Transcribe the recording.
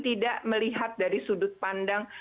tidak melihat dari sudut pandang